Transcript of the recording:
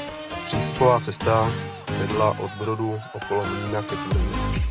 Přístupová cesta vedla od brodu okolo mlýna ke tvrzi.